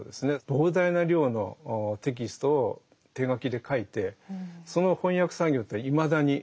膨大な量のテキストを手書きで書いてその翻訳作業というのはいまだに続いてるんですね。